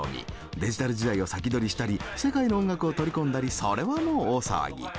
デジタル時代を先取りしたり世界の音楽を取り込んだりそれはもう大騒ぎ。